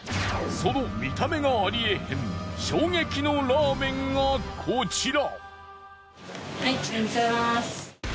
その見た目がありえへん衝撃のラーメンがこちら。